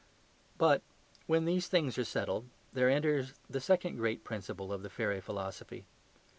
But when these things are settled there enters the second great principle of the fairy philosophy.